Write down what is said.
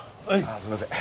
ああすいません。